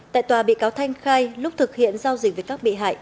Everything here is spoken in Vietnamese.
tại tòa bị cáo thanh khai lúc thực hiện giao dịch với các bị hại